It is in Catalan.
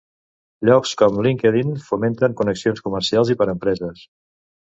Llocs com LinkedIn fomenten connexions comercials i per a empreses.